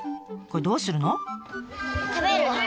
これどうするの？